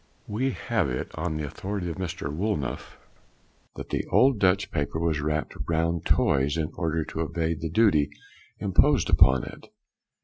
We have it on the authority of Mr. Woolnough, that the old Dutch paper was wrapped round toys in order to evade the duty imposed upon it.